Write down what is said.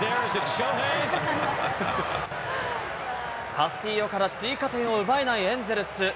カスティーヨから追加点を奪えないエンゼルス。